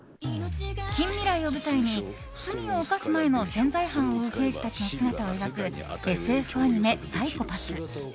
近未来を舞台に罪を犯す前の潜在犯を追う刑事たちの姿を描くＳＦアニメ「ＰＳＹＣＨＯ‐ＰＡＳＳサイコパス」。